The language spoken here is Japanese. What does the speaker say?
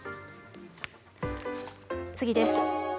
次です。